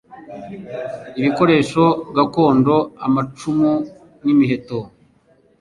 ibikoresho gakondo amacumu n imiheto